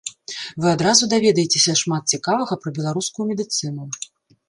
Вы адразу даведаецеся шмат цікавага пра беларускую медыцыну.